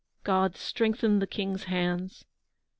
God! strengthen the King's hands!